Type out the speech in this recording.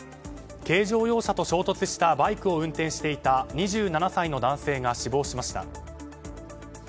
軽乗用車と衝突したバイクを運転していた２７歳の男性が死亡しました。